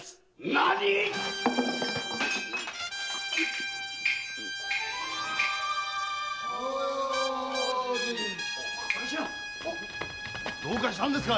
なにっ‼どうかしたんですか